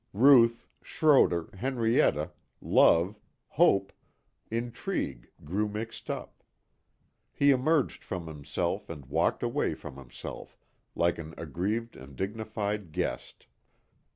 Ruth, Schroder, Henrietta, love, hope, intrigue grew mixed up. He emerged from himself and walked away from himself like an aggrieved and dignified guest.